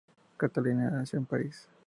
Catalina nació en París.